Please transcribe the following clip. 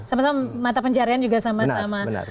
sama sama mata pencarian juga sama sama